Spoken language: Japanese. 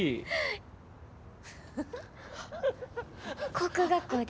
航空学校で。